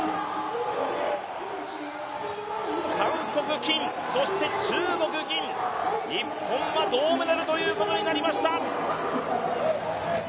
韓国・金、そして中国・銀、日本は銅メダルということになりました。